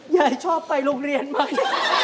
ยายชอบไปโรงเรียนไหม